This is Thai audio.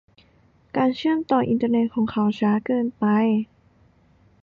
การเชื่อมต่ออินเทอร์เน็ตของเขาช้าเกินไป